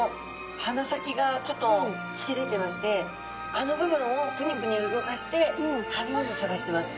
鼻先がちょっとつき出てましてあの部分をプニプニ動かして食べ物を探してます。